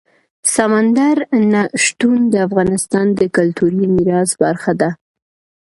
سمندر نه شتون د افغانستان د کلتوري میراث برخه ده.